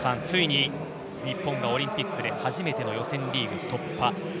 ついに日本がオリンピックで初めての予選リーグ突破。